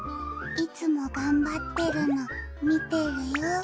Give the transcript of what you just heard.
いつも頑張ってるの、見てるよ。